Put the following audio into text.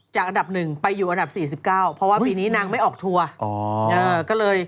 อันดับ๑ไปอยู่อันดับ๔๙เพราะว่าปีนี้นางไม่ออกทัวร์ก็เลย